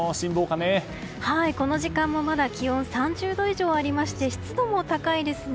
この時間も、まだ気温３０度以上ありまして湿度も高いですね。